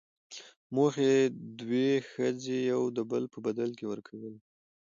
موخۍ، دوې ښځي يو دبل په بدل کي ورکول.